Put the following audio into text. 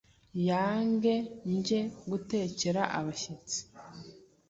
yange nge gutekera abashyitsi,